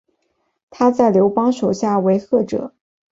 他在刘邦手下为谒者。